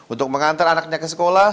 untuk mengantar anaknya ke sekolah